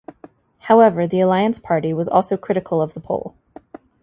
However, the Alliance Party was also critical of the poll.